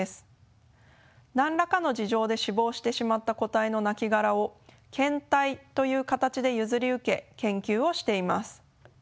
何らかの事情で死亡してしまった個体のなきがらを献体という形で譲り受け研究をしています。